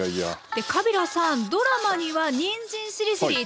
でカビラさんドラマにはにんじんしりしりー